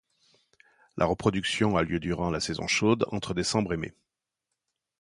La reproduction a lieu durant la saison chaude, entre décembre et mai.